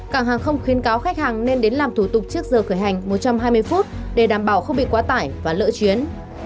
cảng hàng không khuyến cáo khách hàng nên đến làm thủ tục trước giờ khởi hành một trăm hai mươi phút để đảm bảo không bị quá tải và lỡ chuyến